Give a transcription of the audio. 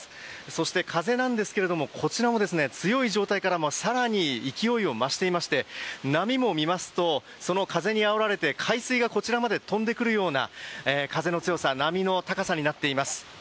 そして風なんですがこちらも強い状態から更に勢いを増していまして波も見ますとその風にあおられて海水がこちらまで飛んでくるような風の強さ波の高さになっています。